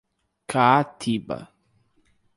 Caatiba